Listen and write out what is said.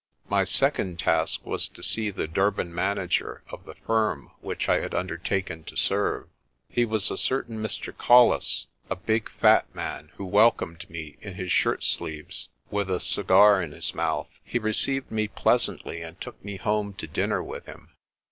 My second task was to see the Durban manager of the firm which I had undertaken to serve. He was a certain Mr. Colles, a big fat man, who welcomed me in his shirt sleeves, with a cigar in his mouth. He received me pleas antly, and took me home to dinner with him.